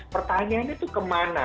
pertanyaannya itu kemana